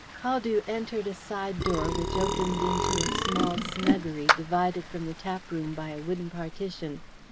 Caldew entered a side door which opened into a small snuggery, divided from the tap room by a wooden partition.